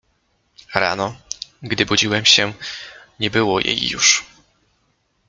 Rano, gdy budziłem się, nie było jej już.